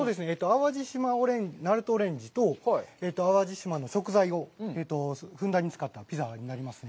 淡路島なるとオレンジと淡路島の食材をふんだんに使ったピザになりますね。